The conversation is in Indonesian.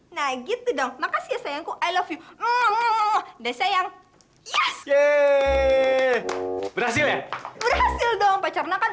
nah gitu dong makasih sayangku i love you sayang berhasil ya berhasil dong pacarnya kan